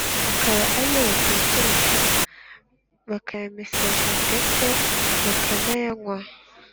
akaba ari yo batekesha, bayamesesha ndetse bakanayanywa